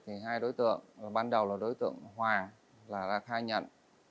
hai đối tượng ban đầu là đối tượng hoàng là thai nhận